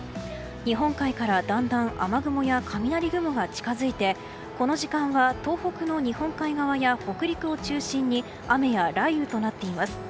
日本海からだんだん雨雲や雷雲が近づいてこの時間は東北の日本海側や北陸を中心に雨や雷雨となっています。